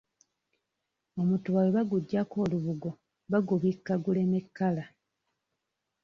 Omutuba bwe baguggyako olubugo bagubikka guleme kkala.